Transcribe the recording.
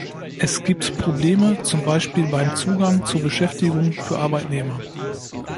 Es gibt Probleme zum Beispiel beim Zugang zur Beschäftigung für Arbeitnehmer.